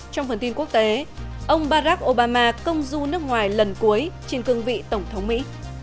trong phần tin quốc tế ông barack obama công du nước ngoài lần cuối trên cương vị tổng thống mỹ